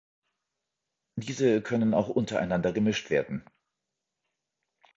Diese können auch untereinander gemischt werden.